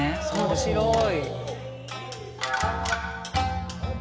面白い。